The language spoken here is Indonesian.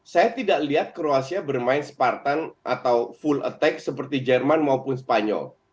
saya tidak lihat kroasia bermain spartan atau full attack seperti jerman maupun spanyol